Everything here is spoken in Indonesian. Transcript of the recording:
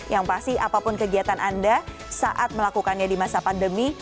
yang pasti apapun kegiatan anda saat melakukannya di masa pandemi